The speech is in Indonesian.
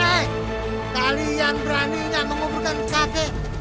eh kalian berani gak menguburkan kakek